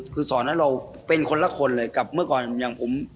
คือสอนให้เราเป็นคนละคนเลยกับเมื่อก่อนอย่างผม